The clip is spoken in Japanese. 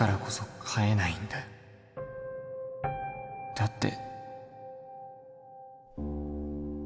だって